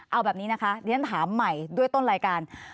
เอาแบบนี้นะคะเรียนถามใหม่ด้วยต้นรายการ